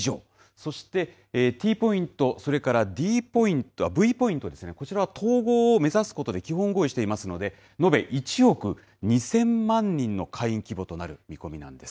そして、Ｔポイント、それからＶポイントですね、こちらは統合を目指すことで基本合意していますので、延べ１億２０００万人の会員規模となる見込みなんです。